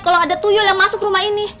kalau ada tuyol yang masuk rumah ini